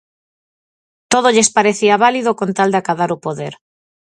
Todo lles parecía válido con tal de acadar o poder.